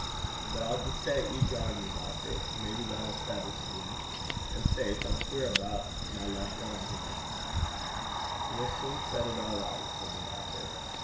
But I'll jist say 'at ye garred me, doctor. Maybe that 'll saitisfee him. An' faith! I'm queer aboot my left fin here.' 'We'll soon set it all right,' said the doctor.